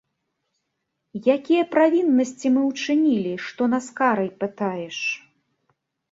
Якія правіннасці мы ўчынілі, што нас карай пытаеш?